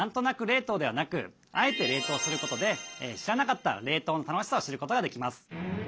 冷凍ではなく「あえて」冷凍することで知らなかった冷凍の楽しさを知ることができます。